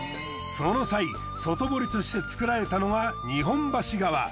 その際外堀として造られたのが日本橋川。